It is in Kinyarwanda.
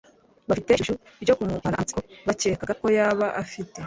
bafite ishyushyu ryo kumumara amatsiko bakekaga ko yaba afite